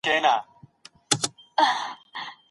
دا نوم د ننګ نښه ده